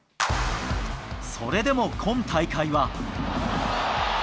それでも今大会は。